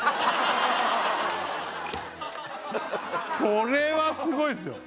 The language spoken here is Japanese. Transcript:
これはすごいっすよ